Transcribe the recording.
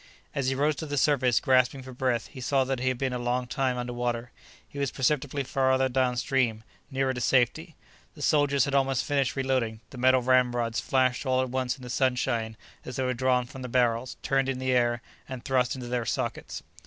As he rose to the surface, gasping for breath, he saw that he had been a long time under water; he was perceptibly farther downstream—nearer to safety. The soldiers had almost finished reloading; the metal ramrods flashed all at once in the sunshine as they were drawn from the barrels, turned in the air, and thrust into their sockets.